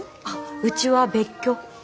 うちは別居。